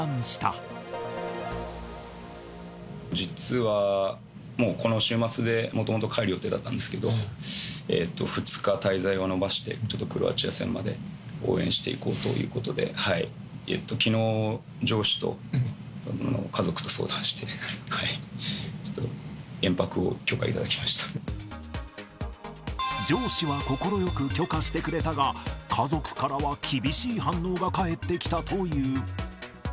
実は、もうこの週末で、もともと帰る予定だったんですけど、２日滞在を延ばして、ちょっとクロアチア戦まで応援していこうということで、きのう、上司と家族と相談して、ちょっと、上司は快く許可してくれたが、家族からは厳しい反応が返ってきたという。